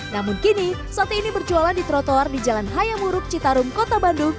namun kini sate ini berjualan di trotoar di jalan hayamuruk citarum kota bandung